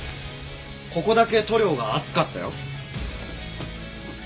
ここだけ塗料が厚かったよ。